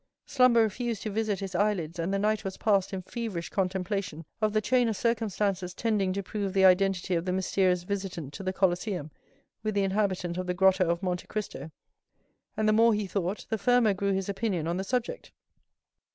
Slumber refused to visit his eyelids and the night was passed in feverish contemplation of the chain of circumstances tending to prove the identity of the mysterious visitant to the Colosseum with the inhabitant of the grotto of Monte Cristo; and the more he thought, the firmer grew his opinion on the subject.